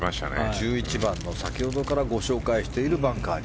１１番の先ほどからご紹介しているバンカーに。